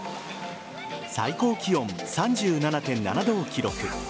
最高気温３７．７度を記録。